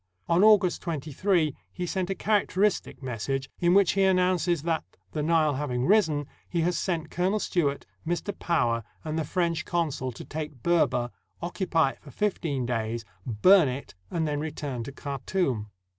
On August 23, he sent a characteristic mes sage, in which he announces that, the Nile having risen, he has sent Colonel Stewart, Mr. Power, and the French consul to take Berber, occupy it for fifteen days, burn it, and then return to Khartoum.